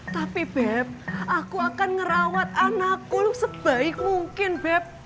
tapi beb aku akan ngerawat anakku sebaik mungkin bep